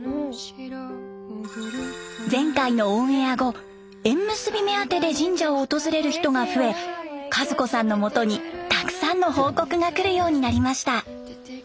前回のオンエア後縁結び目当てで神社を訪れる人が増え和子さんのもとにたくさんの報告がくるようになりました。